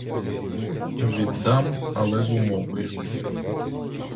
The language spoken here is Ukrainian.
Віддам, але з умовою.